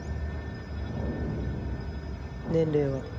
年齢は？